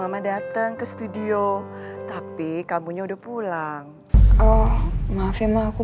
mau makan lagi iya tadi tuh mama datang ke studio tapi kamu udah pulang oh maaf ya ma aku